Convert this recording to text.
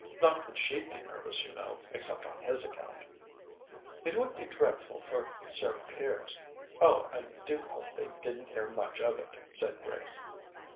Not that she'd be nervous, you know, except on his account." "It would be dreadful for Sir Piers. Oh, I do hope they didn't hear much of it," said Grace.